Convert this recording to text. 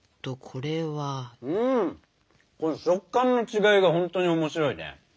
この食感の違いがほんとに面白いね。